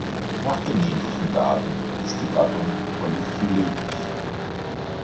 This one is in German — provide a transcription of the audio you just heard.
Nach genetischen Daten ist die Gattung polyphyletisch.